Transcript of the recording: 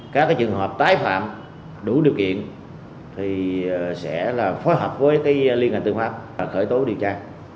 các trường hợp tái phạm đủ điều kiện sẽ phối hợp với liên hệ tương hoạc khởi tố điều tra